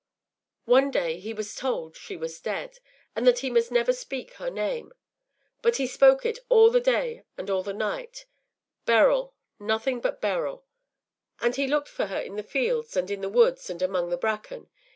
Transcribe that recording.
One day he was told she was dead, and that he must never speak her name; but he spoke it all the day and all the night, Beryl, nothing but Beryl, and he looked for her in the fields and in the woods and among the bracken.